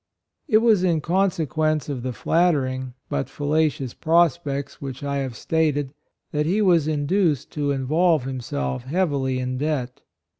It was in consequence of the flattering, but fallacious prospects which I have stated, that he was induced to involve himself heavily in debt.